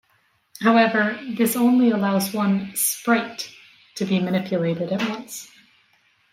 However, this only allows one "sprite" to be manipulated at once.